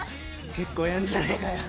結構やんじゃねえかよ。